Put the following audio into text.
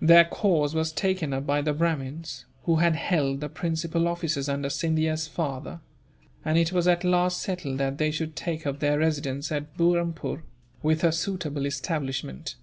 Their cause was taken up by the Brahmins, who had held the principal offices under Scindia's father; and it was at last settled that they should take up their residence at Burrampoor, with a suitable establishment.